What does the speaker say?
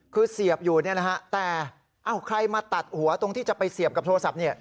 คือเสียบอยู่เนี่ยนะฮะแต่เอ้าใครมาตัดหัวตรงที่จะไปเสียบกับโทรศัพท์เนี่ย